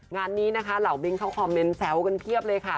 งานนี้นะคะเหล่าบิ๊กเขาคอมเมนต์แซวกันเพียบเลยค่ะ